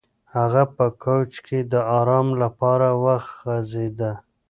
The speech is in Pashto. هغه په کوچ کې د ارام لپاره وغځېد.